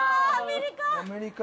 アメリカ。